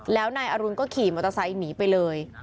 แล้วนายอรุณก็ขี่มอเตอร์ไซค์หนีไปเลย